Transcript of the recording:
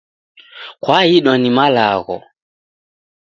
Kwaidwa na malagho